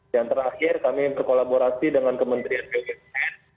yang terakhir kami berkolaborasi dengan kementerian bumn